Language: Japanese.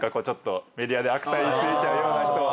メディアで悪態ついちゃうような人は。